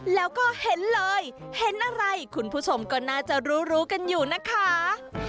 แล้วก็เห็นเลยเห็นอะไรคุณผู้ชมก็น่าจะรู้รู้กันอยู่นะคะ